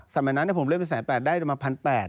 สมัยนั้นนะผมเริ่มไปขึ้นแสดิได้มา๑๐๐๐แปด